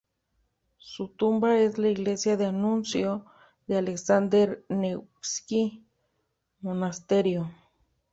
Su tumba es en la Iglesia de Anunciación del Alexander Nevsky Monasterio.